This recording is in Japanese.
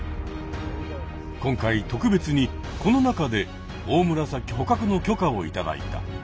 今回特別にこの中でオオムラサキ捕獲の許可を頂いた。